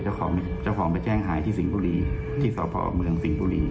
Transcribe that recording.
เจ้าของเจ้าของไปแจ้งหายที่สิงห์บุรีที่สพเมืองสิงห์บุรี